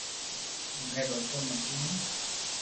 مني روڪو متي نو